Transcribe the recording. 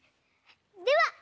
では。